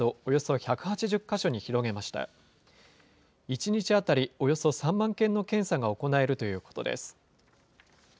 １日当たりおよそ３万件の検査が行えるということです。